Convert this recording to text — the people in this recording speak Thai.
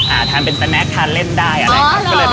อ่าทานเป็นสนัขทานเล่นได้อะไรครับ